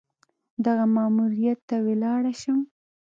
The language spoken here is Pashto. دغه ماموریت ته ولاړه شم.